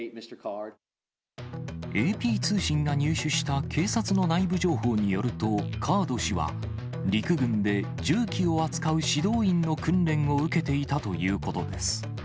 ＡＰ通信が入手した警察の内部情報によると、カード氏は、陸軍で銃器を扱う指導員の訓練を受けていたということです。